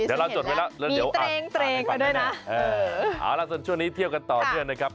ดีใจเห็นแล้วมีเตรงมาด้วยนะเออเอาละช่วงนี้เที่ยวกันต่อเที่ยวนะครับ